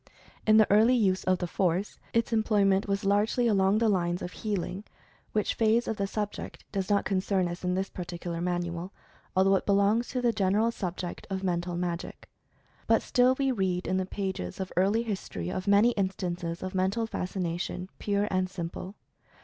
In the early use of the force, its employment was largely along the lines of healing, which phase of the subject does not concern us in this particular manual, al though it belongs to the general subject of Mental 26 Mental Fascination Magic. But still we read in the pages of early his tory of many instances of Mental Fascination, pure and simple.